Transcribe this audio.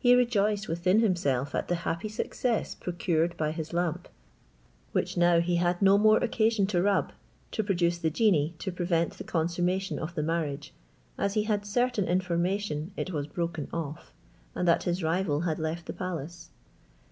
He rejoiced within himself at the happy success procured by his lamp, which now he had no more occasion to rub, to produce the genie to prevent the consummation of the marriage, as he had certain information it was broken off, and that his rival had left the palace.